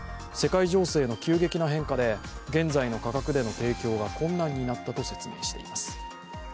世界情勢の急激な変化で現在での価格での提供が困難になったと説明しています。